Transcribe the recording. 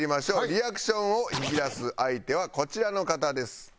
リアクションを引き出す相手はこちらの方です。